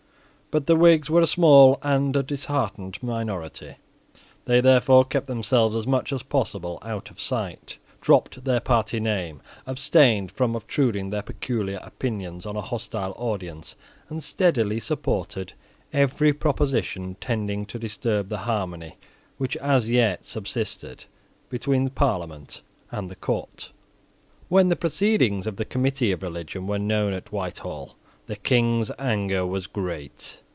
But the Whigs were a small and a disheartened minority. They therefore kept themselves as much as possible out of sight, dropped their party name, abstained from obtruding their peculiar opinions on a hostile audience, and steadily supported every proposition tending to disturb the harmony which as yet subsisted between the Parliament and the Court. When the proceedings of the Committee of Religion were known at Whitehall, the King's anger was great.